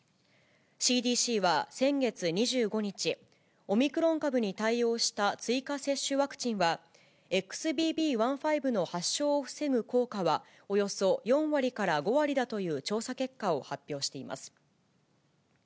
ＣＤＣは先月２５日、オミクロン株に対応した追加接種ワクチンは、ＸＢＢ．１．５の発症を防ぐ効果はおよそ４割から５割だという調査結果を発表しています。